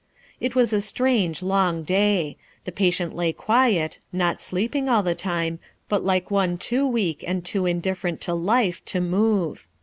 It was a strange long day. The patient lay quiet, not sleeping all the time, but like one too weak and too indifferent to life to move.